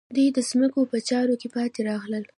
دوی د ځمکو په چارو کې پاتې راغلل.